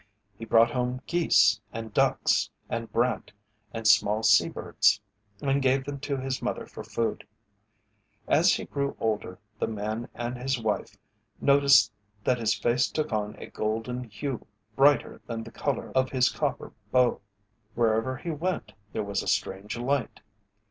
He brought home geese and ducks and brant and small sea birds, and gave them to his mother for food. As he grew older the man and his wife noticed that his face took on a golden hue brighter than the colour of his copper bow. Wherever he went there was a strange light.